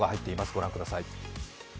ご覧ください。